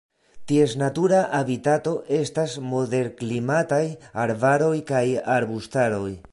Ties natura habitato estas moderklimataj arbaroj kaj arbustaroj.